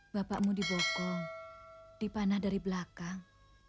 bapakmu dibokong dipanah dari belakang